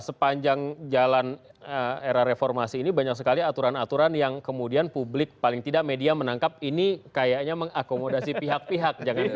sepanjang jalan era reformasi ini banyak sekali aturan aturan yang kemudian publik paling tidak media menangkap ini kayaknya mengakomodasi pihak pihak